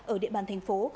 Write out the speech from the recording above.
ở địa bàn thành phố